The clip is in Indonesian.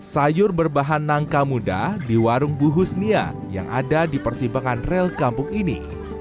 sayur berbahan nangka muda di warung bu husnia yang ada di persimpangan rel kampung ini